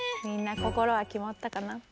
みんなこころはきまったかな？